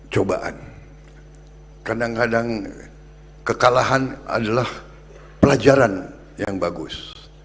cobaan kadang kadang kekalahan adalah pelajaran yang bagus